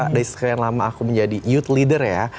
dari sekian lama aku menjadi youth leader ya